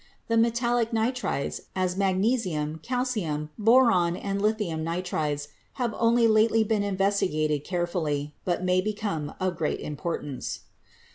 The metallic nitrides, as magnesium, calcium, boron and lithium nitrides, have only lately been investigated care fully, but may become of great importance.